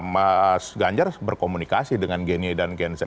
mas ganjar berkomunikasi dengan gen y dan gen z